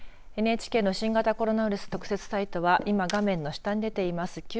ＮＨＫの新型コロナウイルス特設サイトは今、画面の下に出ています